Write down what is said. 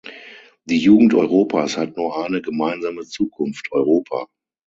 Die Jugend Europas hat nur eine gemeinsame Zukunft Europa!